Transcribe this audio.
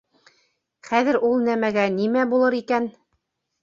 Хәҙер ул нәмәгә нимә булыр икән?